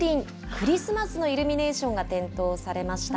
クリスマスのイルミネーションが点灯されました。